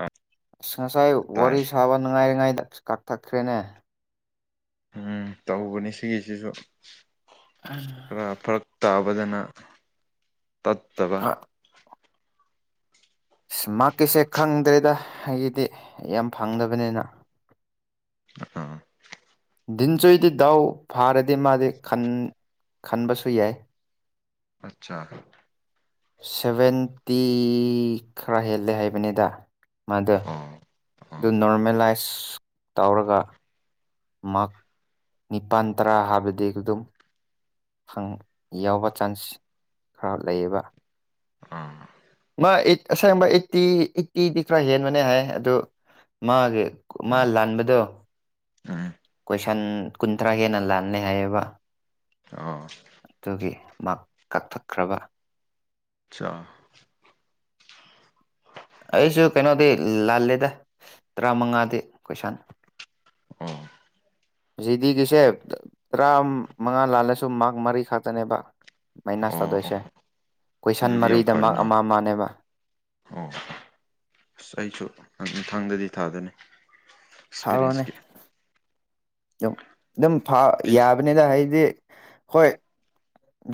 ꯑ ꯉꯁꯥꯏ ꯇꯥꯏ ꯋꯥꯔꯤ ꯁꯥꯕ ꯅꯨꯡꯉꯥꯏꯔꯤꯉꯩꯗ ꯀꯛꯊꯠꯈ꯭ꯔꯦꯅꯦ ꯎꯝ ꯇꯧꯕꯅꯤ ꯁꯤꯒꯤꯖꯤꯖꯨ ꯈꯔ ꯐꯔꯛ ꯇꯥ ꯐꯖꯟꯅ ꯇꯠꯇꯕ ꯑꯁ ꯃꯥꯀꯤꯁꯦ ꯈꯪꯗ꯭ꯔꯦꯗ ꯑꯩꯒꯤꯗꯤ ꯌꯥꯝ ꯐꯪꯗꯕꯅꯤꯅ ꯑ ꯗꯤꯟꯆꯣꯏꯗꯤ ꯗꯥꯎ ꯐꯥꯔꯗꯤ ꯃꯥꯗꯤ ꯈꯟ ꯈꯟꯕꯁꯨ ꯌꯥꯏ ꯑꯆꯥꯥ ꯁꯚꯦꯟꯇꯤ ꯈꯔ ꯍꯦꯜꯂꯦ ꯍꯥꯏꯕꯅꯤꯗ ꯃꯥꯗ ꯑꯣ ꯑꯣ ꯑꯗꯨ ꯅꯣꯔꯃꯦꯂꯥꯏꯁ ꯇꯧꯔꯒ ꯃꯥꯛ ꯅꯤꯄꯥꯟꯇ꯭ꯔꯥ ꯍꯥꯏꯕꯗꯤ ꯑꯗꯨꯝ ꯐꯪ ꯌꯥꯎꯕ ꯆꯥꯟꯁ ꯈꯔ ꯂꯩꯌꯦꯕ ꯎꯝ ꯑꯩꯠ ꯑꯁꯦꯡꯕ ꯑꯩꯠꯇꯤ ꯑꯩꯠꯇꯤꯗꯤ ꯈꯔ ꯍꯦꯟꯕꯅꯦ ꯍꯥꯏ ꯑꯗꯨ ꯃꯥꯒꯤ ꯃꯥ ꯂꯥꯟꯕꯗꯣ ꯑꯝ ꯀꯣꯏꯁꯟ ꯀꯨꯟꯊ꯭ꯔꯥ ꯍꯦꯟꯅ ꯂꯥꯜꯂꯦ ꯍꯥꯏꯌꯦꯕ ꯑꯣ ꯑꯗꯨꯒꯤ ꯃꯥꯛ ꯀꯛꯊꯠꯈ꯭ꯔꯕ ꯆꯥ ꯑꯩꯁꯨ ꯀꯩꯅꯣꯗꯤ ꯂꯥꯜꯂꯦꯗ ꯇꯔꯥꯃꯉꯥꯗꯤ ꯀꯣꯏꯁꯥꯟ ꯑꯝ ꯖꯤꯗꯤꯒꯤꯁꯦ ꯇꯔꯥ ꯃꯉꯥ ꯂꯥꯜꯂꯁꯨ ꯃꯥꯛ ꯃꯔꯤ ꯈꯛꯇꯅꯦꯕ ꯃꯥꯏꯅꯁ ꯑꯣ ꯇꯥꯗꯣꯏꯁꯦ ꯀꯣꯏꯁꯟ ꯑꯗꯨꯗꯤ ꯌꯥꯝ ꯃꯔꯤꯗ ꯃꯥꯛ ꯐꯩꯅ ꯑꯃ ꯑꯃꯅꯦꯕ ꯑꯣ ꯑꯁ ꯑꯩꯁꯨꯊꯥꯡꯗꯗꯤ ꯊꯥꯗꯅꯤ ꯑꯦꯛꯁꯄꯤꯔꯤꯌꯦꯟꯁꯀꯤ ꯗꯨꯝ ꯐ ꯑꯩ ꯌꯥꯕꯅꯦꯗ ꯍꯥꯏꯗꯤ ꯍꯣꯏ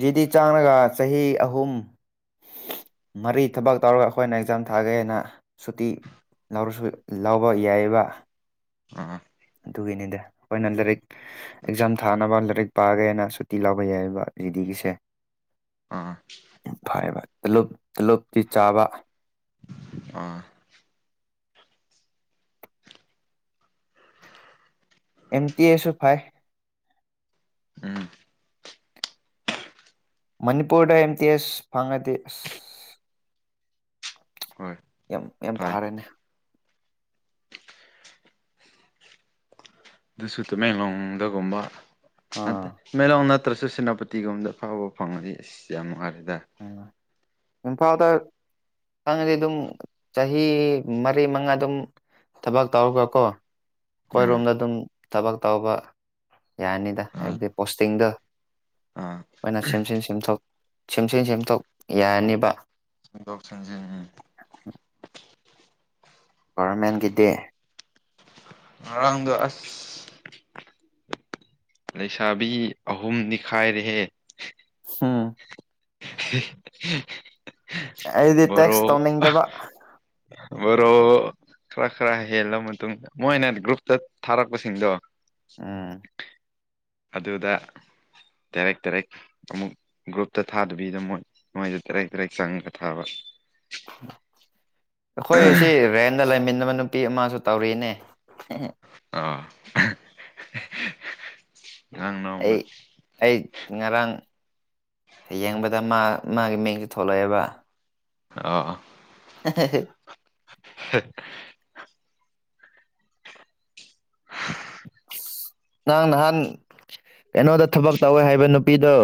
ꯖꯤꯗꯤ ꯆꯥꯡꯔꯒ ꯆꯍꯤ ꯑꯍꯨꯝ ꯃꯔꯤ ꯊꯕꯛ ꯇꯧꯔꯒ ꯑꯩꯈꯣꯏꯅ ꯑꯦꯛꯖꯥꯝ ꯊꯥꯒꯦꯅ ꯁꯨꯇꯤ ꯂꯧꯔꯁꯨ ꯂꯧꯕ ꯌꯥꯏꯑꯕ ꯑ ꯅꯤꯗ ꯑꯩꯈꯣꯏꯅ ꯂꯥꯏꯔꯤꯛ ꯑꯦꯛꯖꯥꯝ ꯊꯥꯅꯕ ꯔꯤꯛ ꯄꯥꯒꯦꯅ ꯁꯨꯇꯤ ꯂꯥꯎꯕ ꯌꯥꯏꯑꯕ ꯖꯤꯗꯤꯒꯤꯁꯦ ꯑꯥ ꯇꯂꯞ ꯇꯂꯣꯞꯇꯤ ꯆꯥꯕ ꯑ ꯑꯦꯟ ꯇꯤ ꯑꯦ ꯁꯨ ꯐꯥꯏ ꯎꯝ ꯃꯅꯤꯄꯨꯔꯗ ꯑꯦꯝ ꯇꯤ ꯑꯦꯁ ꯐꯥꯉꯗꯤ ꯍꯣꯏ ꯌꯥꯝ ꯌꯥꯝ ꯐꯩ ꯐꯔꯦꯅꯦ ꯑꯗꯨꯁꯨ ꯇꯃꯦꯂꯣꯡꯗꯒꯨꯝꯕ ꯅꯠ ꯑꯥ ꯃꯦꯂꯣꯡ ꯅꯠ ꯇ꯭ꯔꯁꯨ ꯁꯦꯅꯥꯄꯇꯤꯒꯨꯝꯕꯗ ꯐꯥꯎꯕ ꯐꯪꯉꯗꯤ ꯑꯁ ꯌꯥꯝ ꯅꯨꯡꯉꯥꯏꯔꯗꯤ ꯎꯝ ꯏꯝꯐꯥꯜꯗ ꯆꯪꯉꯗꯤ ꯑꯗꯨꯝ ꯆꯍꯤ ꯃꯔꯤ ꯃꯉꯥ ꯑꯗꯨꯝ ꯊꯕꯛ ꯇꯧꯔꯒ ꯀꯣ ꯎꯝ ꯑꯩꯈꯣꯏꯔꯣꯝꯗ ꯑꯗꯨꯝ ꯊꯕꯛ ꯇꯧꯕ ꯌꯥꯅꯤꯗ ꯑꯥ ꯍꯥꯏꯕꯗꯤ ꯄꯣꯁꯇꯤꯡꯗ ꯑꯥ ꯈꯣꯏꯅ ꯁꯦꯝꯖꯤꯟ ꯁꯦꯝꯊꯣꯛ ꯁꯦꯝꯖꯤꯟ ꯁꯦꯝꯗꯣꯛ ꯌꯥꯔꯅꯤꯅꯕ ꯗꯣꯛ ꯁꯦꯃꯖꯤꯟ ꯒꯣꯔꯃꯦꯟꯒꯤꯗꯤ ꯉꯔꯥꯡꯗꯣ ꯑꯁ ꯂꯩꯩꯁꯥꯕꯤ ꯑꯍꯨꯝ ꯅꯤ ꯈꯥꯏꯔꯦ ꯍꯝ ꯑꯩꯗꯤ ꯇꯦꯛꯁ ꯕꯣꯔꯣ ꯇꯧꯅꯤꯡꯗꯕ ꯕꯣꯔꯣ ꯈꯔ ꯈꯔ ꯍꯦꯜꯂ ꯃꯇꯨꯡꯗ ꯃꯣꯏꯅ ꯒ꯭ꯔꯨꯞꯇ ꯊꯥꯔꯛꯄꯁꯤꯡꯗꯣ ꯑꯝ ꯑꯗꯨꯗ ꯗꯥꯏꯔꯦꯛ ꯗꯔꯦꯛ ꯑꯃꯨꯛ ꯒ꯭ꯔꯨꯞꯇ ꯊꯥꯗꯕꯤꯗ ꯃꯣꯏ ꯃꫭꯏꯗ ꯗꯔꯦꯛ ꯗꯔꯦꯛ ꯆꯪꯉ ꯊꯥꯕ ꯑꯈꯣꯏ ꯁꯤ ꯔꯦꯟꯗ ꯂꯩꯃꯤꯟꯅꯕ ꯅꯨꯄꯤ ꯑꯃꯁꯨ ꯇꯧꯔꯤꯅꯦ ꯑꫭ ꯑꯩ ꯑꯩ ꯉꯔꯥꯡ ꯌꯦꯡꯕꯗ ꯃꯥ ꯃꯥꯒꯤ ꯃꯤꯡꯖꯨ ꯊꯣꯛꯂꯛ ꯑꯦꯕ ꯑꫭ ꯑ ꯍꯦ ꯍꯦ ꯍꯦ ꯑꯁ ꯅꯪ ꯅꯍꯥꯟ ꯀꯩꯅꯣꯗ ꯊꯕꯛ ꯇꯧꯋꯦ ꯍꯥꯏꯕ ꯅꯨꯄꯤꯗꯣ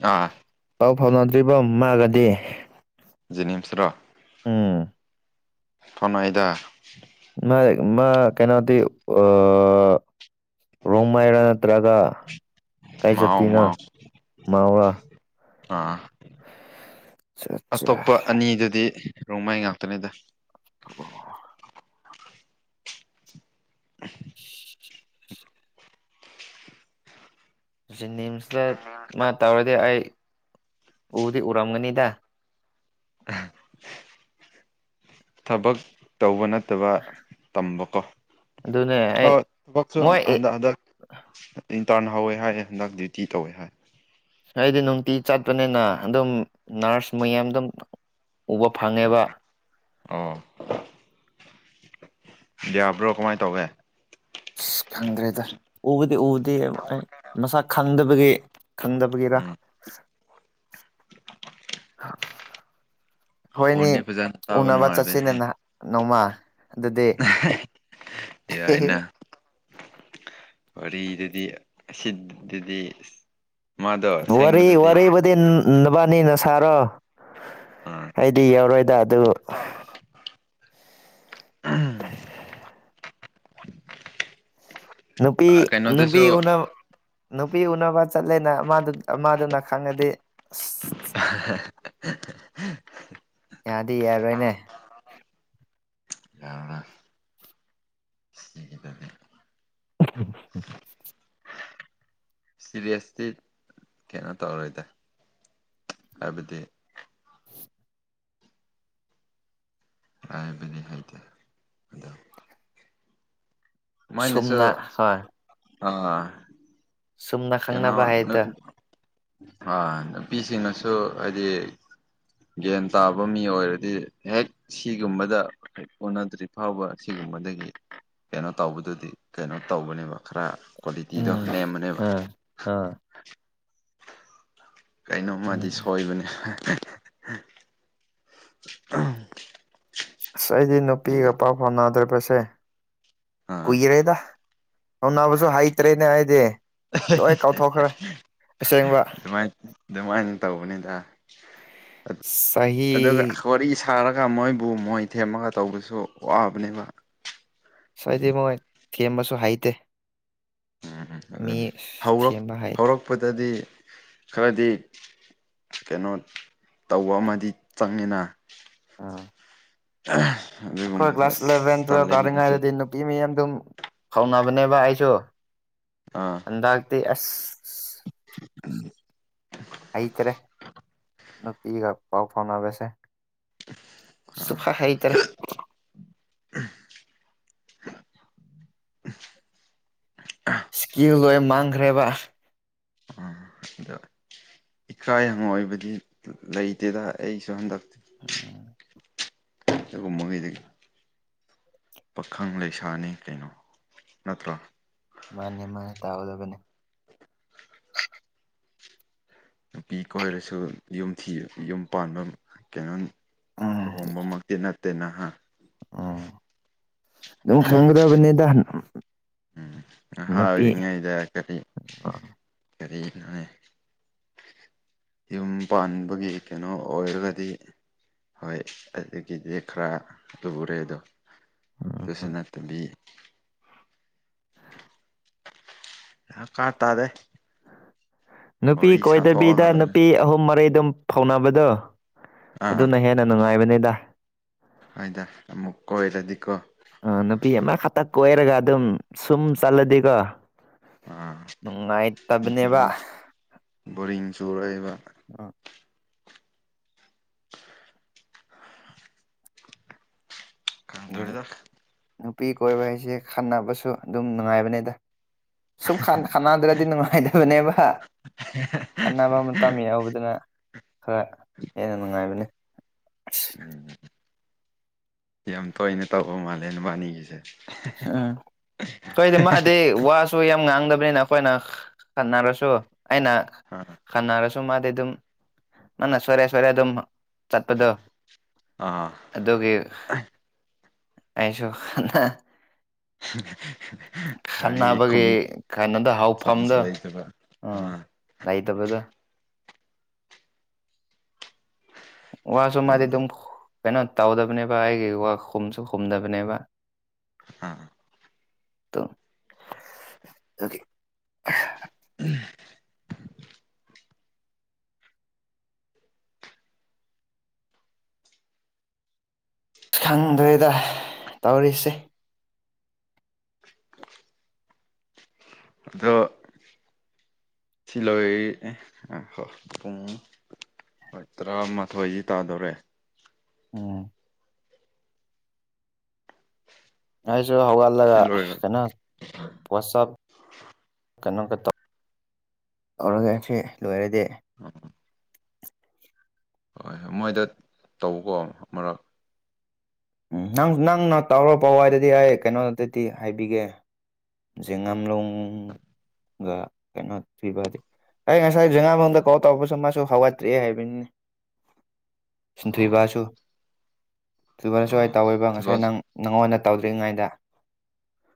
ꯑ ꯄꯥꯎ ꯐꯥꯎꯅꯗ꯭ꯔꯤꯕꯔꫭ ꯃꯥꯒꯗꯤ ꯖꯦꯅꯤꯝ꯭ꯁ ꯇꯔꯣ ꯎꯝ ꯐꯧꯅꯩꯗ ꯃꯥ ꯃꯥ ꯀꯩꯅꫭꯗꯤ ꯑꫭ ꯔꯣꯝ ꯃꯥꯏꯔ ꯅꯠꯇ꯭ꯔꯒ ꯃꯥꯎ ꯀꯥꯏꯆꯠꯇꯨꯏꯅꫭ ꯃꯥꯎ ꯃꯧꯔ ꯑꯥ ꯑꯆꯥ ꯑꯆꯥ ꯑꯇꯣꯞꯄ ꯑꯅꯤꯗꯨꯗꯤ ꯔꯣꯡꯃꯩ ꯉꯥꯛꯇꯅꯤꯗ ꯑꯣ ꯎꯝ ꯖꯦꯅꯤ꯭ꯝꯁꯇ ꯃꯥ ꯇꯧꯔꯗꯤ ꯑꯩ ꯎꯗꯤ ꯎꯔꯝꯒꯅꯤꯗ ꯑ ꯊꯕꯛ ꯇꯧꯕ ꯅꯠꯇꯕ ꯇꯝꯕꯀꯣ ꯑꯗꯨꯅꯦ ꯑ ꯑꯩ ꯊꯕꯛꯁꯨ ꯃꯣꯏ ꯑꯥꯗ ꯑꯥꯗ ꯊꯤ ꯇꯥꯟꯅ ꯍꯧꯋꯦ ꯍꯥꯏꯌꯦ ꯅꯪ ꯗꯤꯎꯇꯤ ꯇꯧꯋꯦ ꯍꯥꯏ ꯑꯩꯗꯤ ꯅꯨꯡꯇꯤ ꯆꯠꯄꯅꯤꯅ ꯑꯗꯨꯝ ꯅꯔꯁ ꯃꯌꯥꯝꯗꯨꯝ ꯎꯕ ꯐꯪꯉꯦꯕ ꯑꯣ ꯌꯥꯕ꯭ꯔꯣ ꯀꯃꯥꯏ ꯇꯧꯒꯦ ꯑꯁ ꯈꯪꯗ꯭ꯔꯦꯗ ꯎꯕꯗꯤ ꯎꯗꯦ ꯑꯩ ꯃꯁꯛ ꯈꯪꯗꯕꯒꯤ ꯈꯪꯗꯕꯒꯤꯔ ꯎꯝ ꯑꯈꫭꯏꯅꯤ ꯈꯣꯟꯗꯤ ꯐꯖꯅ ꯇꯥꯕ ꯎꯅꯕ ꯆꯠꯁꯤꯅꯦ ꯅꯨꯡꯉꯥꯏꯕꯅꯦ ꯅꯍꯥ ꯅꯣꯡꯃ ꯑꯗꯨꯗꯤ ꯌꯥꯏꯅ ꯋꯥꯔꯤꯗꯨꯗꯤ ꯁꯤꯗꯗꯤ ꯑꯁ ꯋꯥꯔꯤꯔꯤ ꯑꯣꯏꯕꯗꯤꯟ ꯅꯕꯥꯅꯤꯅ ꯁꯥꯔꯣ ꯑꯥ ꯑꯩꯗꯤ ꯌꯧꯔꯣꯏꯗ ꯑꯗꯨ ꯑꯝ ꯅꯨꯄꯤ ꯀꯩꯅꯣꯗꯁꯨ ꯅꯨꯄꯤ ꯎꯅ ꯅꯨꯄꯤ ꯎꯅꯕ ꯆꯠꯂꯦꯅꯗꯨ ꯑꯃꯗꯨꯅ ꯈꯪꯉꯗꯤ ꯑꯁ [unintelligible] ꯌꯥꯗꯤ ꯌꯥꯔꯣꯏꯅꯦ ꯁꯤꯒꯤꯗꯗꯤ ꯎ ꯁꯤꯔꯤꯁꯇꯤ ꯀꯩꯅꯣ ꯇꯧꯔꯣꯏꯗ ꯍꯥꯏꯕꯗꯤ ꯍꯥꯏꯕꯗꯤ ꯍꯩꯇꯦ ꯑꯗꯣ ꯃꯣꯏꯅꯁꯨ ꯁꯝꯅ ꯍ ꯑꯥ ꯀꯩꯅꯣ ꯈꯪꯅꯕ ꯍꯥꯏꯗꯣ ꯑ ꯅꯨꯄꯤꯁꯤꯡꯅꯁꯨ ꯍꯥꯏꯗꯤ ꯒ꯭ꯌꯥꯟ ꯇꯥꯕ ꯃꯤ ꯑꯣꯏꯔꯗꯤ ꯍꯦꯛ ꯁꯤꯒꯨꯝꯕꯗ ꯑꯣꯅꯗ꯭ꯔꯤ ꯐꯥꯎꯕ ꯁꯤꯒꯨꯝꯕ ꯍꯪꯕꯗꯒꯤ ꯀꯩꯅꯣ ꯇꯧꯕꯗꯨꯗꯤ ꯀꯩꯅꯣ ꯇꯧꯕꯅꯦꯕ ꯈꯔ ꯀ꯭ꯋꯥꯂꯤꯇꯤꯗꯣ ꯎꯝ ꯅꯦꯝꯕꯅꯦꯕ ꯑꯥ ꯑꯥ ꯀꯩꯅꯣꯝꯃꯗꯤ ꯎꯝ ꯁꯣꯏꯕꯅꯦ ꯎꯝ ꯑꯁ ꯑꯩꯗꯤ ꯅꯨꯄꯤꯒ ꯄꯥꯎ ꯐꯥꯎꯅꯗ꯭ꯔꯔꯤꯕꯁꯦ ꯑꯥ ꯀꯨꯏꯔꯦꯗ ꯑꯅꯥꯕꯨꯁꯨ ꯍꯩꯇ꯭ꯔꯦꯅꯦ ꯍꯥꯏꯗꯤ ꯂꯣꯏ ꯀꯥꯎꯊꯣꯛꯈ꯭ꯔꯦ ꯑꯁꯦꯡꯕ ꯑꯗꯨꯃꯥꯏ ꯑꯗꯨꯃꯥꯏꯅ ꯇꯧꯕꯅꯤꯗ ꯁꯍꯤ ꯊꯥꯔꯒ ꯃꯣꯏꯕꯨ ꯃꯣꯏ ꯊꯦꯝꯃꯒ ꯇꯧꯕꯁꯨ ꯋꯥꯕꯅꯦꯕ ꯁꯣꯏꯗꯤ ꯃꯣꯏ ꯀꯦꯝꯕꯁꯨ ꯍꯩꯇꯦ ꯎꯝ ꯎꯝ ꯃꯤ ꯑꯗꯨꯅꯤ ꯍꯧꯔꯛ ꯊꯦꯝꯕ ꯍꯩ ꯍꯧꯔꯛꯄꯗꯗꯤ ꯈꯔꯗꯤ ꯀꯩꯅꯣ ꯇꯧꯕ ꯑꯃꯗꯤ ꯆꯪꯉꯤꯅ ꯑ ꯑꯩꯈꯣꯏ ꯀ꯭ꯂꯥꯁ ꯏꯂꯕꯦꯟꯋ ꯑꯔꯉꯥꯏꯔꯗꯤ ꯅꯨꯄꯤ ꯃꯤ ꯌꯥꯝ ꯑꯗꯨꯝ ꯐꯥꯎꯅꯕꯅꯦꯕ ꯑꯩꯁꯨ ꯑꯥ ꯑꯟꯗꯇ ꯑꯦꯁ ꯍꯩꯇꯔꯦ ꯅꯨꯄꯤꯒ ꯄꯥꯎ ꯐꯥꯎꯅꯕꯅꯕꯁꯦ ꯑꯥ ꯁꯤꯐꯥ ꯍꯥꯏ ꯏꯇꯔ [inaudible] ꯁ꯭ꯀꯤ ꯂꯣꯏ ꯃꯥꯡꯈ꯭ꯔꯦꯕ ꯑꯗ ꯏꯀꯥꯏ ꯍꯪꯣꯏꯕꯗꯤ ꯂꯩꯇꯦꯗ ꯑꯩꯁꯨ ꯍꯟꯗꯛꯇꯤ ꯎꯝ ꯀꯨꯃꯒꯗꯒꯦ ꯄꯥꯈꯪ ꯂꯩꯁꯥꯅꯤ ꯀꯩꯅꯣ ꯅꯠꯇ꯭ꯔꯣ ꯃꯥꯅꯦ ꯃꯥꯅꯦ ꯇꯥꯍꯧꯗꯕꯅꯤ ꯅꯨꯄꯤ ꯀꯣꯏꯔꯁꯨ ꯌꯨꯝꯤ ꯌꯨꯝ ꯄꯥꯟꯕ ꯀꯩꯅꯣ ꯂꯨꯍꯣꯡꯕꯃꯛꯇꯤ ꯅꯠꯇꯦ ꯅꯍꯥ ꯎ ꯑꯗꯨꯝ ꯈꯪꯒꯗꯕꯅꯤꯗ ꯎꯝ ꯍꯥꯎꯔꯤ ꯅꯨꯄꯤ ꯏꯉ ꯏꯗ ꯀꯔꯤ ꯎꯝ ꯀꯔꯤꯅꯅꯦ ꯌꯨꯝ ꯄꯥꯟꯕꯒꯤ ꯀꯩꯅꯣ ꯑꯣꯏꯔꯒꯗꯤ ꯍꯣꯏ ꯑꯗꯨꯒꯤꯗꯤ ꯈꯔ ꯂꯨꯔꯦ ꯑꯗꯣ ꯎꯝ ꯁꯅꯥꯠꯇꯕꯤ ꯑ ꯀꯥ ꯇꯥꯗꯦ ꯅꯨꯄꯤ ꯋꯥꯔꯤ ꯀꯣꯏꯗꯕꯤꯗ ꯁꯥꯊꯣꯛꯑꯒ ꯂꯣꯏꯔꯦ ꯅꯨꯄꯤ ꯑꯍꯨꯝ ꯃꯩꯗꯨꯝ ꯐꯧꯅꯕꯗꯣ ꯑꯗꯨꯅ ꯍꯦꯟꯅ ꯅꯨꯡꯉꯥꯏꯕꯅꯤꯗ ꯍꯥꯏꯗ ꯑꯃꯨꯛ ꯀꯣꯏꯔꯗꯤꯀꯣ ꯑ ꯅꯨꯄꯤ ꯑꯃꯈꯛꯇ ꯀꯣꯏꯔꯒ ꯑꯗꯨꯝ ꯁꯨꯝ ꯆꯠꯂꯗꯤꯀꯣ ꯑꯥ ꯅꯨꯡꯉꯥꯏꯇꯕꯅꯦꯕ ꯕꯣꯔꯤꯡ ꯕꯣꯔꯤꯡ ꯆꯨꯔꯛꯏꯕ ꯑꯥ ꯈꯪꯗꯋꯗ ꯅꯨꯄꯤ ꯀꯣꯏꯕ ꯍꯥꯏꯁꯦ ꯈꯟꯅꯕꯁꯨ ꯑꯗꯨꯝ ꯅꯨꯡꯉꯥꯏꯕꯅꯦꯗ ꯁꯨꯝ ꯈꯥꯟꯅꯗ꯭ꯔꯗꯤ ꯅꯨꯡꯉꯥꯏꯗꯕꯅꯦꯕ ꯈꯟꯅꯅꯕ ꯑꯃ ꯇꯝꯃꯤ ꯌꯥꯎꯕꯗꯨꯅ ꯈꯔ ꯍꯦꯟꯅ ꯅꯨꯡꯉꯥꯏꯕꯅꯤ ꯎꯝ ꯌꯥꯝ ꯇꯣꯏꯅ ꯇꯧꯕ ꯃꯥꯜꯂꯦꯅꯕꯥꯅꯤꯒꯤꯁꯦ ꯎꯝ ꯑꯩꯣꯏꯗꯤ ꯃꯥꯗꯤ ꯋꯥꯁꯨ ꯌꯥꯝ ꯉꯥꯡꯗꯕ ꯑꯩꯈꯣꯏꯅ ꯈꯟꯅꯔꯁꯨ ꯑꯩꯅ ꯑꯥ ꯈꯟꯅꯔꯁꯨ ꯁ ꯃꯥꯗ ꯑꯗꯨꯝ ꯃꯥ ꯁꯔꯦ ꯁꯔꯦ ꯑꯗꯨꯝ ꯆꯠꯄꯗꯣ ꯑꯥ ꯑꯗꯨꯒꯤ ꯑꯩꯁꯨ [inaudible] ꯋꯥꯔꯤ ꯈꯟꯅꯅꯕꯒꯤ ꯈꯨꯝ ꯈꯅꯗ ꯍꯥꯎꯐꯝꯗ ꯆꯥꯟꯁ ꯂꯩꯇꯕ ꯑꯥ ꯉ ꯇ ꯄꯗ ꯋꯥꯁꯨꯣ ꯃꯥꯗꯤ ꯑꯗꯨꯅꯦ ꯑꯗꯨꯝ ꯀꯩꯅꯣ ꯇꯧꯗꯕꯅꯦꯕ ꯑꯩꯒꯤꯋꯨꯝꯁꯨ ꯈꯨꯝꯗꯕꯅꯦꯕ ꯑꯥ [unintelligible] ꯎ ꯈꯪꯗ꯭ꯔꯦꯗ ꯇꯧꯔꯤꯁꯦ ꯑꯗꯨꯣ ꯁꯤꯂꯣꯏ ꯑ ꯍ ꯄꯨꯡ ꯍꯣꯏ ꯇꯔꯥꯃꯥꯊꯣꯏꯗꯤ ꯇꯥꯗꯣꯔꯦ ꯎꯝ ꯉꯁꯨ ꯍꯋꯥꯜꯂ ꯁꯤ ꯂꯣꯏꯔ ꯀꯩꯅꯣ ꯄꯠꯞ ꯀꯩꯅꯣꯝꯒ ꯇꯧ ꯇꯧꯔꯒ ꯁꯤ ꯂꯣꯏꯔꯗꯤ ꯑꯝ ꯍꯣꯏ ꯍꯣꯏ ꯃꯣꯏꯗ ꯇꯧꯕꯀꯣ ꯃꯔꯛ ꯎꯝ ꯅꯪ ꯅꯪꯅ ꯇꯥꯎꯔ ꯄꯋꯥꯏꯗꯗꯤ ꯑꯩ ꯀꯩꯅꯣꯗꯗꯗꯤ ꯍꯥꯏꯕꯤꯒꯦ ꯖꯦꯡꯉꯝꯂꯣꯡꯒ ꯀꯩꯅꯣ ꯊꯕꯗꯤ ꯑꯩ ꯉꯁꯥꯏ ꯖꯉ ꯃꯗ ꯀꯧ ꯇꯧ ꯄ ꯃꯥꯁꯨ ꯍꯋꯥ ꯇ꯭ꯔꯤ ꯍꯥꯏꯕꯅꯤ ꯑꯥ ꯁꯤꯟꯊꯣꯏꯕꯁꯨ ꯑꯗꯨꯔꯁꯨ ꯍꯥꯏꯥꯏ ꯑꯥ ꯇꯧꯋꯦꯕ ꯉꯁꯥꯏ ꯊꯤꯕꯥꯁ ꯅꯪ ꯅꯪꯉꯣꯟꯗ ꯇꯧꯗ꯭ꯔꯤꯉꯩꯗ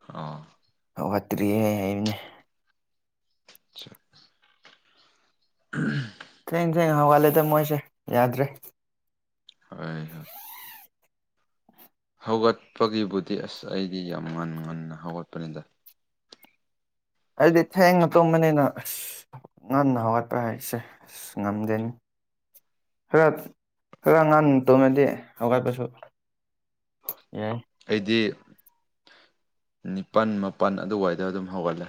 ꯑ ꯋꯥꯠꯇ꯭ꯔꯤꯌꯦ ꯍꯥꯏꯕꯅꯦ ꯑ ꯎꯝ ꯊꯦꯡꯅ ꯁꯦꯡ ꯍꯧꯒꯠꯂꯦꯗ ꯃꯣꯏꯁꯦ ꯌꯥꯗ꯭ꯔꯦ ꯍꯣꯏ ꯍꯣꯏ ꯍꯧꯒꯠꯄꯒꯤꯕꯨꯙ ꯑꯁ ꯑꯩꯗꯤ ꯌꯥꯝ ꯉꯟ ꯉꯟꯅ ꯍꯧꯒꯠꯄꯅꯤꯗ ꯑꯩꯗꯤ ꯊꯦꯡꯅ ꯇꯨꯝꯕꯅꯤꯅ ꯑꯁ ꯉꯟꯅ ꯍꯧꯒꯠꯄ ꯍꯥꯏꯁꯦ ꯑꯁ ꯉꯝꯗꯦꯅꯤ ꯍꯔ ꯍꯔ ꯉꯥꯟ ꯇꯣꯃꯦꯗꯤ ꯍꯧꯒꯥꯏ ꯄꯁꯨꯣ ꯑꯩꯗꯤ ꯅꯤꯄꯥꯜ ꯃꯥꯄꯜ ꯑꯗꯨꯋꯥꯏꯗ ꯑꯗꯨꯝ ꯍꯧꯒꯠꯂꯦ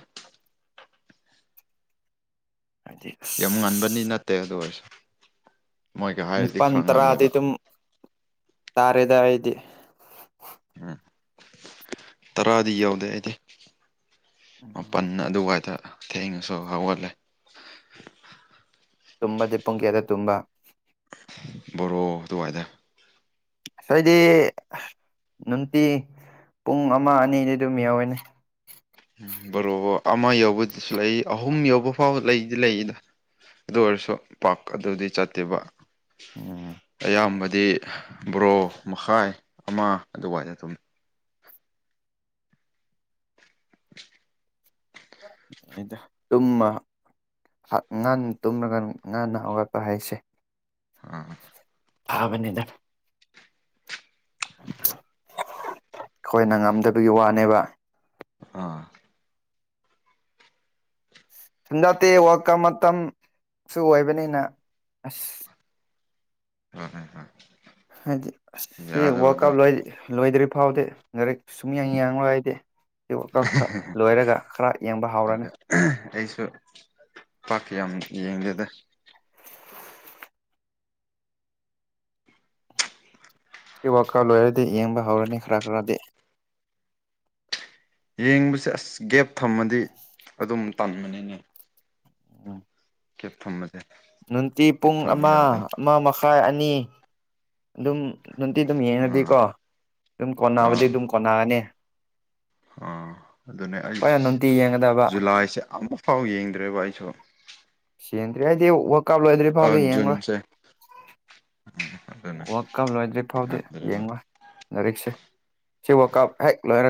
ꯍꯥꯏꯗꯤ ꯌꯥꯝ ꯉꯟꯕꯅꯤ ꯑꯁ ꯅꯠꯇꯦ ꯑꯗꯨ ꯑꯣꯏꯔꯁꯨ ꯃꯣꯏꯒ ꯍꯥꯏꯔꯗꯤ ꯅꯤꯄꯟ ꯈꯔ ꯇ꯭ꯔꯥꯗꯤ ꯉꯜꯂꯦꯕ ꯑꯗꯨꯝ ꯇꯥꯔꯦꯗ ꯍꯥꯏꯗꯤ ꯎꯝ ꯇꯔꯥꯗꯤ ꯌꯥꯎꯗꯦ ꯑꯩꯗꯤ ꯎꯝ ꯃꯥꯄꯜ ꯑꯗꯨꯋꯥꯏꯗ ꯊꯦꯡꯨ ꯁꯣ ꯍꯥꯎꯒꯠꯂꯦ ꯇꯨꯝꯕꯗꯤ ꯄꯨꯡ ꯀꯌꯥꯗ ꯇꯨꯝꯕ ꯕꯣꯔꯣ ꯑꯗꯨꯋꯥꯏꯗ ꯁꯣꯏꯗꯤ ꯅꯨꯇ ꯄꯨꯡ ꯑꯃ ꯑꯅꯤꯗꯤꯩ ꯑꯗꯨꯝ ꯌꯥ ꯌꯥꯎꯏꯅꯦ ꯎꯝ ꯕꯔꯣꯕ ꯑꯃ ꯌꯧꯕꯗꯨꯁꯨ ꯂꯩ ꯑꯍꯨꯝ ꯌꯧꯕ ꯐꯥꯎ ꯂꯩꯗꯤ ꯂꯩꯗ ꯑꯗꯨ ꯑꯣꯏꯔꯁꯨ ꯄꯥꯛ ꯑꯗꯨꯗꯤ ꯆꯠꯇꯦꯕ ꯎꯝ ꯑꯌꯥꯝꯕ ꯗꯤ ꯕꯣꯔꯣ ꯃꯈꯥꯏ ꯑꯃ ꯑꯗꯨꯥꯏꯅ ꯇꯨꯝꯃꯤ ꯗ ꯇꯃ ꯉꯅ ꯇꯨꯝꯂꯒ ꯉꯅ ꯍꯧꯋꯥꯠꯄ ꯍꯥꯏꯁꯦ ꯑꯥ ꯊꯥꯕꯅꯤꯗ ꯑꯩꯈꯣꯏꯅ ꯉꯝꯗꯕꯒꯤ ꯋꯥꯅꯦꯕ ꯑꯥ ꯁꯨꯡꯖꯠꯇꯦ ꯋꯥꯀ ꯃꯇꯝꯁꯨ ꯑꯣꯏꯕꯅꯤꯅ ꯑꯁ ꯍ ꯍ ꯍ ꯍꯥꯏꯗꯤ ꯋꯥ ꯀꯞ ꯂꯣꯏ ꯂꯣꯏꯗ꯭ꯔꯤ ꯐꯥꯎꯗꯦ ꯂꯥꯏꯔꯤꯛ ꯁꯨꯝꯌꯥꯡ ꯌꯥꯡ ꯂꯣꯏ ꯍꯥꯏꯗꯤꯦ ꯀꯛꯛ ꯂꯣꯏꯔꯒ ꯈꯔ ꯌꯦꯡꯕ ꯍꯧꯥꯎꯔꯅꯤ ꯁꯨ ꯄꯥꯛꯀꯤ ꯌꯥꯝ ꯌꯦꯡꯗꯦꯗ ꯁꯤ ꯋꯥꯀ ꯂꯣꯏꯔꯗꯤ ꯌꯦꯡꯕ ꯍꯧꯔꯅꯤ ꯈꯔ ꯈꯔꯗꯤ ꯌꯦꯡꯕꯁꯦ ꯑꯁ ꯒꯦꯞ ꯊꯝꯃꯗꯤ ꯑꯗꯨꯝ ꯇꯝꯕꯅꯤꯅꯦ ꯎ ꯀꯦꯞ ꯊꯝꯃꯁꯦ ꯅꯨꯡꯇꯤ ꯄꯨꯡ ꯑꯃ ꯑꯃ ꯃꯈꯥꯏ ꯑꯅꯤ ꯑꯗꯨꯝ ꯅꯨꯡꯇꯤ ꯑꯗꯨꯝ ꯑꯥ ꯌꯦꯡꯉꯗꯤꯀꯣ ꯑꯗꯨꯝ ꯀꯣꯟꯅꯕꯗꯤ ꯑꯗꯨꯝ ꯀꯣꯟꯅꯑꯅꯤ ꯑ ꯑꯗꯨꯅꯦ ꯑꯩ ꯑꯩꯈꯣꯏꯅ ꯅꯨꯡꯇꯤ ꯌꯦꯡꯒꯗꯕ ꯖꯨꯂꯥꯏꯁꯦ ꯑꯃꯨꯛ ꯐꯥꯎ ꯌꯦꯡꯗ꯭ꯔꯦꯕ ꯑꯩꯁꯨ ꯁꯦꯟꯗ꯭ꯔꯤ ꯍꯥꯏꯗꯤ ꯋꯥꯋꯀꯥꯞ ꯂꯣꯏꯗ꯭ꯔꯔꯤ ꯑ ꯐꯥꯎꯒ ꯌꯦꯡꯂꯡꯂꯣꯏ ꯖꯨꯟꯁꯦ ꯑꯗꯨꯅ ꯋ ꯀꯞ ꯂꯣꯏꯗ꯭ꯔꯤ ꯐꯥꯎꯗꯤ ꯌꯥꯗ꯭ꯔꯦꯕ ꯌꯦꯡꯉ ꯂꯥꯏꯔꯤꯛꯁꯦ ꯁꯤꯕ ꯀꯥ ꯍꯦꯛ ꯂꯔ